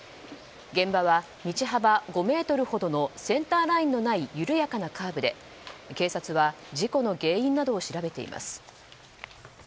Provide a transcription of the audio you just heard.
現場は道幅５ｍほどのセンターラインのない緩やかなカーブで警察は、事故の原因などを調べています。